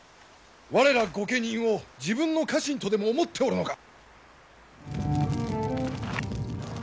我ら御家人を自分の家臣とでも思っておるのか！